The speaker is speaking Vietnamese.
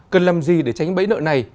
cần làm gì để tránh bẫy nợ này